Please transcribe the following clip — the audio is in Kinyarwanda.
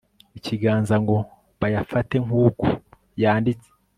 ikiganza, ngo bayafate nk'uko yanditse